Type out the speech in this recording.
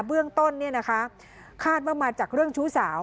เบื้องต้นคาดว่ามาจากเรื่องชู้สาว